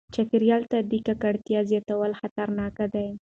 چاپیریال ته د ککړتیا زیاتوالی خطرناک دی.